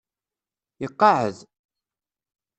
Iqeɛɛed.